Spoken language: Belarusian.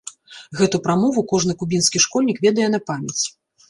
Гэту прамову кожны кубінскі школьнік ведае на памяць.